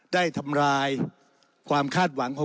ทำลายความคาดหวังของ